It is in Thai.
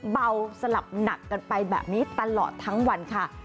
เบาสลับหนักกันไปแบบนี้ตลอดทั้งวันค่ะ